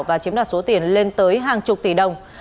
và chiếm đoạt số tiền lên tới hàng chục tỷ đồng